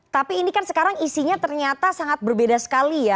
tapi ini kan sekarang isinya ternyata sangat berbeda sekali ya